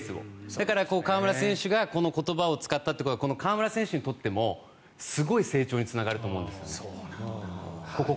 だから河村選手がこの言葉を使ったというのはこの河村選手にとってもすごい成長につながると思うんです。